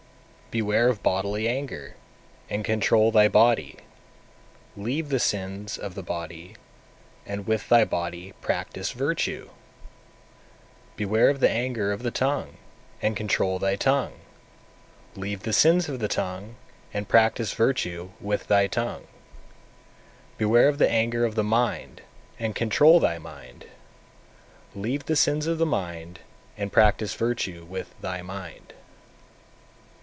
231. Beware of bodily anger, and control thy body! Leave the sins of the body, and with thy body practise virtue! 232. Beware of the anger of the tongue, and control thy tongue! Leave the sins of the tongue, and practise virtue with thy tongue! 233. Beware of the anger of the mind, and control thy mind! Leave the sins of the mind, and practise virtue with thy mind!